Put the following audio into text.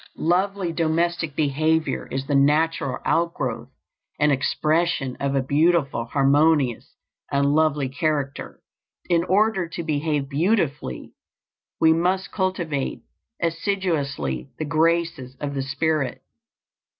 Lovely domestic behavior is the natural outgrowth and expression of a beautiful, harmonious, and lovely character In order to behave beautifully, we must cultivate assiduously the graces of the spirit.